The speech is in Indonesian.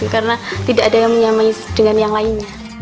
karena tidak ada yang menyamai dengan yang lain